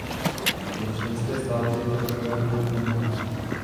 Za členské státy jako takové mluvit nemohu.